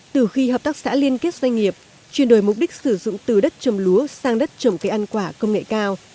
từ khi hợp tác xã liên kết doanh nghiệp chuyển đổi mục đích sử dụng từ đất trồng lúa sang đất trồng cây ăn quả công nghệ cao